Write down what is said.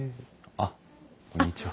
あっこんにちは。